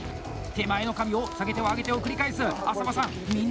手前の紙を下げては上げてを繰り返す！